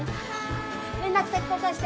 「連絡先交換して！」。